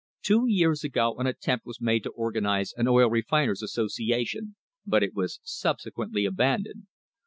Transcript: Two years ago an attempt was made to organise an oil refiners* association, but it was subsequently abandoned.